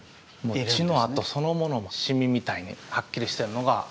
血の痕そのものもシミみたいにはっきりしているのが。